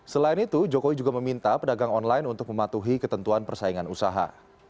selain itu jokowi juga meminta pedagang online untuk mematuhi ketentuan persaingan usaha